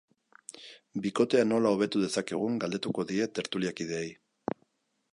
Bikotea nola hobetu dezakegun galdetuko die tertuliakideei.